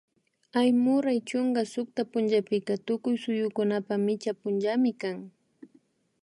Aymuray chunka sukta punllapika tukuy suyukunapak micha punllami kan